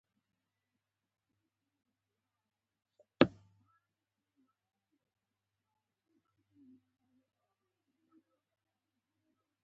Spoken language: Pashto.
دستګاه زما د فعالیتونو مخه نیسي.